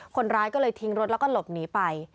คนร้ายก็เลยทิ้งรถแล้วก็หลบหนีไป